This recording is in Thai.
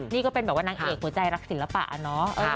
นี่ก็เป็นแบบว่านางเอกหัวใจรักศิลปะเนาะ